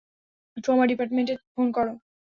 Trauma ডিপার্টমেন্টে phone করো।